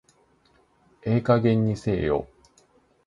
ええ加減にせえよ